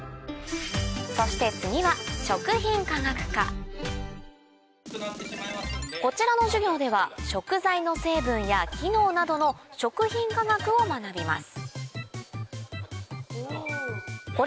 そして次は食品科学科こちらの授業では食材の成分や機能などの食品化学を学びます